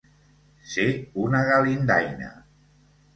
Ser una galindaina.